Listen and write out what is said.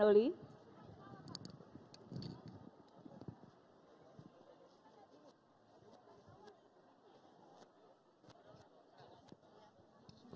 herdi nansya silakan uli